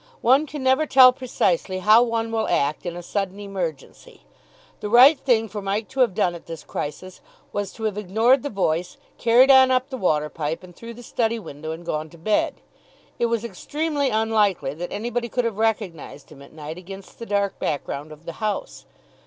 One can never tell precisely how one will act in a sudden emergency. The right thing for Mike to have done at this crisis was to have ignored the voice, carried on up the water pipe, and through the study window, and gone to bed. It was extremely unlikely that anybody could have recognised him at night against the dark background of the house.